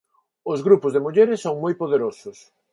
Os grupos de mulleres son moi poderosos.